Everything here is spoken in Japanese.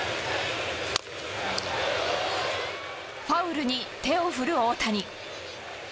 ファウルに手を振る大谷。